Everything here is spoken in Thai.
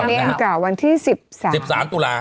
อันนี้เป็นอันเก่านะครับอันนี้เป็นอันเก่าวันที่๑๓ตุลาคม